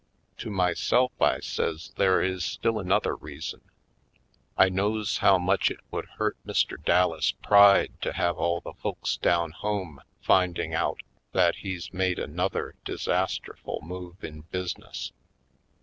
To myself I says there is still another reason. I knows how much it would hurt Mr. Dallas' pride to have all the folks down home finding out that he's made an other disasterful move in business.